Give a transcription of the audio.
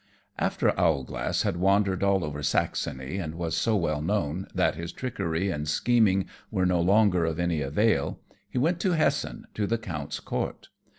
_ After Owlglass had wandered all over Saxony, and was so well known that his trickery and scheming were no longer of any avail, he went to Hessen to the Count's court.